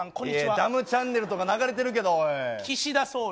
ダムチャンネルとか流れてる岸田総理。